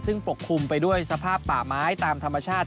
ซึ่งปกคลุมไปด้วยสภาพป่าไม้ตามธรรมชาติ